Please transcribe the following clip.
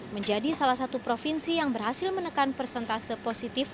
menjadi salah satu provinsi yang berhasil menekan persentase positif